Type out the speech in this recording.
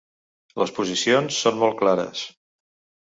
Les posicions són molt clares